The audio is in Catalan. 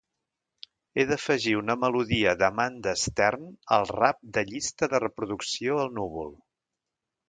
He d'afegir una melodia d'Amanda Stern al rap de llista de reproducció al núvol.